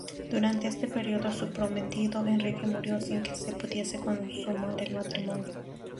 Durante este periodo, su prometido Enrique murió sin que se pudiese consumar el matrimonio.